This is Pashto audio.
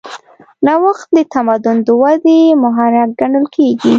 نوښت د تمدن د ودې محرک ګڼل کېږي.